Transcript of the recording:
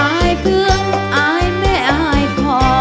อายเพื่อนอายแม่อายพอ